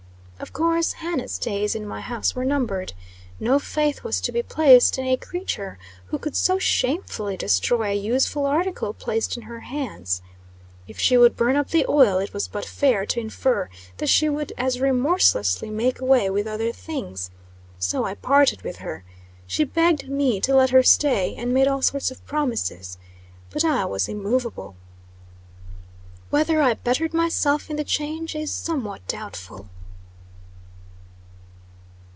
Of course, Hannah's days in my house were numbered. No faith was to be placed in a creature who could so shamefully destroy a useful article placed in her hands. If she would burn up the oil, it was but fair to infer that she would as remorselessly make way with other things. So I parted with her. She begged me to let her stay, and made all sorts of promises. But I was immovable. Whether I bettered myself in the change, is somewhat doubtful.